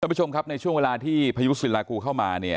สวัสดีคุณผู้ชมครับในช่วงเวลาที่พยุดศรีรากูเข้ามา